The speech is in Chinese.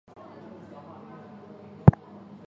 后来电子衍射的结果也证实了这个预言。